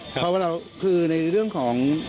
เพราะว่าเราคือในเรื่องของ